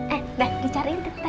eh dah dicariin tuh